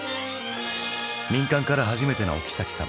「民間から初めてのおきさき様」